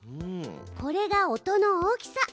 これが音の大きさ。